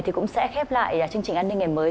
thì cũng sẽ khép lại chương trình an ninh ngày mới